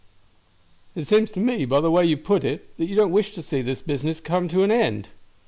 "It seems to me, by the way you put it, that you don't wish to see this business come to an end."